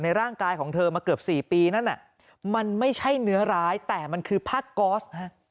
ร่างกายของเธอมาเกือบ๔ปีนั่นมันไม่ใช่เนื้อร้ายแต่มันคือผ้าก๊อส